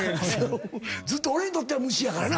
ずっと俺にとってはむしやからな。